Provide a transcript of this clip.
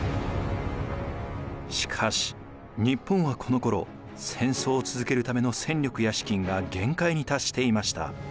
しかし日本はこのころ戦争を続けるための戦力や資金が限界に達していました。